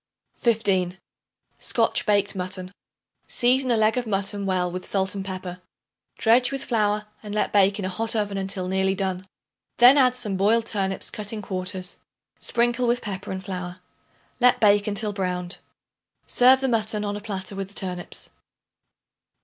15. Scotch Baked Mutton. Season a leg of mutton well with salt and pepper. Dredge with flour and let bake in a hot oven until nearly done. Then add some boiled turnips cut in quarters; sprinkle with pepper and flour; let bake until browned. Serve the mutton on a platter with the turnips.